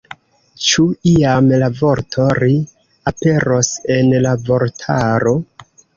Ĉu iam la vorto ”ri” aperos en la vortaro?